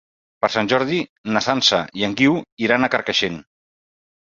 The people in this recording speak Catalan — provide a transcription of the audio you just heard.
Per Sant Jordi na Sança i en Guiu iran a Carcaixent.